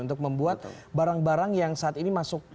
untuk membuat barang barang yang saat ini masuk